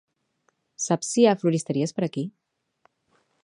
Saps si hi ha floristeries per aquí?